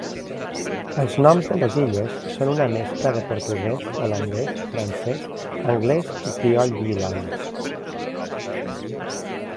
Els noms de les illes són una mescla de portuguès, holandès, francès, anglès i crioll d'Ilois.